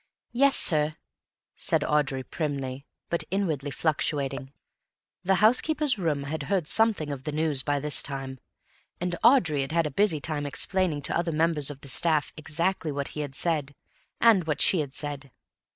"Yes, sir," said Audrey primly, but inwardly fluttering. The housekeeper's room had heard something of the news by this time, and Audrey had had a busy time explaining to other members of the staff exactly what he had said, and what she had said.